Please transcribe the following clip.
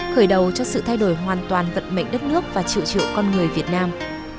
khởi đầu cho sự thay đổi hoàn toàn vận mệnh đất nước và triệu triệu con người việt nam